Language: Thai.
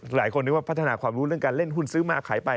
หลายคนนึกว่าพัฒนาความรู้เรื่องการเล่นหุ้นซื้อมาขายไป